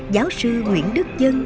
giáo sư nguyễn đức dân